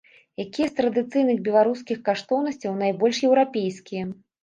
Якія з традыцыйных беларускіх каштоўнасцяў найбольш еўрапейскія?